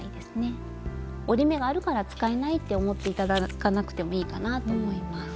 「折り目があるから使えない」って思って頂かなくてもいいかなと思います。